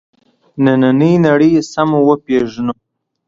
نننۍ نړۍ سمه وپېژنو.